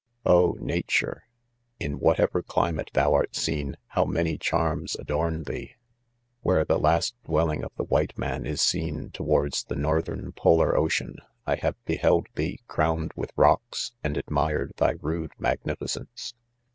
1 Oh Nature ! in whatever climate thou art seen, how many charms adorn thee ! Where the' last dwelling of the white man (20) is seen towards the northern polar' ' ocean, I have be held thee, crowned with rocks, and admired thy rude magnificence.